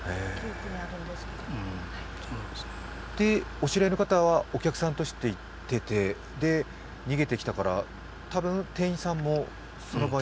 お知り合いの方はお客さんとして行ってて逃げてきたから、多分店員さんもその場に？